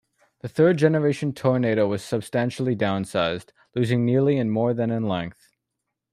The third generation Toronado was substantially downsized, losing nearly and more than in length.